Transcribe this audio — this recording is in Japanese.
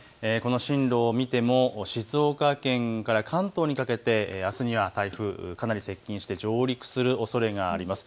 進路を見ても静岡県から関東にかけてあすには台風、かなり接近して上陸するおそれがあります。